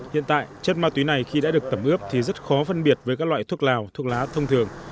hiện tại chất ma túy này khi đã được tẩm ướp thì rất khó phân biệt với các loại thuốc lào thuốc lá thông thường